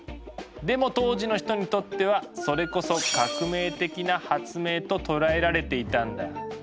でも当時の人にとってはそれこそ「革命的」な発明と捉えられていたんだ。